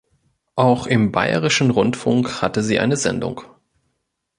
Auch im Bayerischen Rundfunk hatte sie eine Sendung.